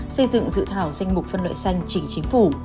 xây dựng dự thảo danh mục phân loại xanh chỉnh chính phủ